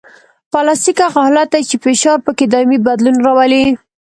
پلاستیک هغه حالت دی چې فشار پکې دایمي بدلون راولي